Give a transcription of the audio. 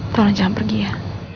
tolong jangan pergi ya